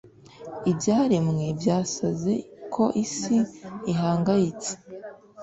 ibyaremwe byasaze ko isi ihangayitse